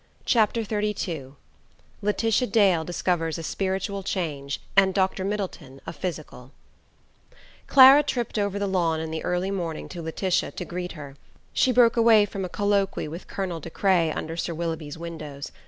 CHAPTER XXXII LAETITIA DALE DISCOVERS A SPIRITUAL CHANGE AND DR MIDDLETON A PHYSICAL Clara tripped over the lawn in the early morning to Laetitia to greet her. She broke away from a colloquy with Colonel De Craye under Sir Willoughby's windows.